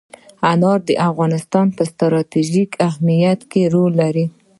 انار د افغانستان په ستراتیژیک اهمیت کې رول لري.